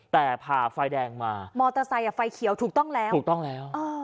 แต่พาไฟแดงมามอเตอร์ไซค์ฟ่าเขียวถูกต้องแล้ว